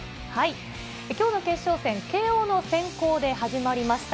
きょうの決勝戦、慶応の先攻で始まりました。